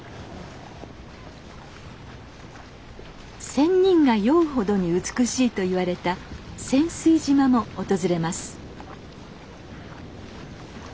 仙人が酔うほどに美しいといわれた仙酔島も訪れます。